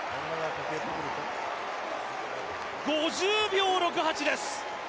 ５０秒６８です。